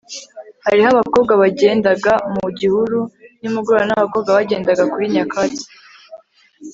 Hariho abakobwa bagendaga mu gihuru nimugoroba nabakobwa bagendaga kuri nyakatsi